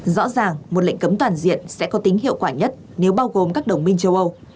rõ ràng một lệnh cấm toàn diện sẽ có tính hiệu quả nhất nếu bao gồm các đồng minh châu âu